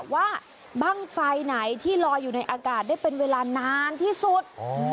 บ้างไฟไหนที่ลอยอยู่ในอากาศได้เป็นเวลานานที่สุด